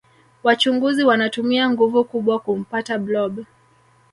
wachunguzi wanatumia nguvu kubwa kumpta blob